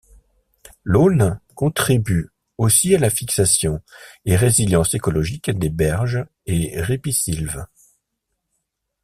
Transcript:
L'aulne contribue aussi à la fixation et résilience écologique des berges et ripisylves.